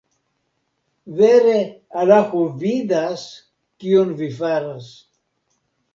Vere Alaho vidas, kion vi faras.